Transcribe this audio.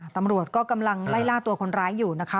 ตำรวจก็กำลังไล่ล่าตัวคนร้ายอยู่นะคะ